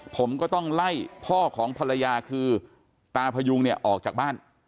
ผมก็ต้องไล่พ่อของภรรยาคือตาพยุงเนี่ยออกจากบ้าน